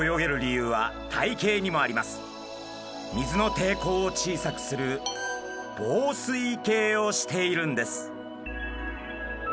水のていこうを小さくする紡錘形をしているんです。